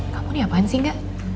kamu ini apaan sih nggak